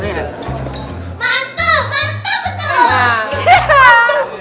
mantap mantap betul